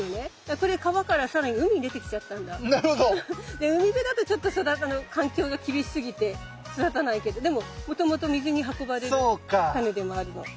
で海辺だとちょっと環境が厳しすぎて育たないけどでももともと水に運ばれるタネでもあるの。